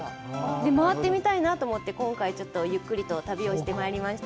回ってみたいなと思って、今回ちょっとゆっくりと旅をしてきました。